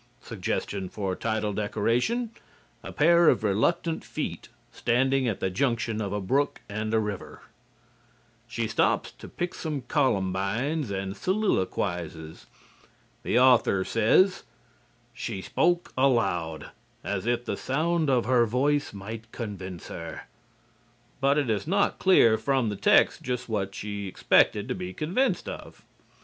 (Suggestion for title decoration: A pair of reluctant feet standing at the junction of a brook and a river.) She stops to pick some columbines and soliloquizes. The author says: "She spoke aloud, as if the sound of her voice might convince her," but it is not clear from the text just what she expected to be convinced of.